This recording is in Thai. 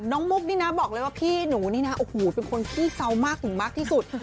มุกนี่นะบอกเลยว่าพี่หนูนี่นะโอ้โหเป็นคนขี้เซามากถึงมากที่สุด